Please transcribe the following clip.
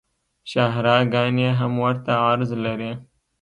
شاهراه ګانې هم ورته عرض لري